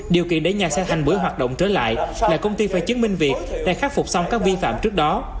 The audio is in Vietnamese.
điều kiện để nhà xe thành bưởi hoạt động trở lại là công ty phải chứng minh việc đã khắc phục xong các vi phạm trước đó